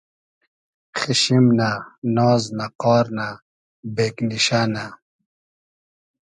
خیشیم نۂ ، ناز نۂ، قار نۂ ، بېگنیشۂ نۂ